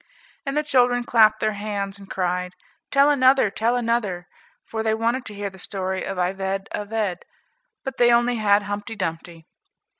And the children clapped their hands and cried, "Tell another, tell another," for they wanted to hear the story of "Ivede Avede;" but they only had "Humpty Dumpty."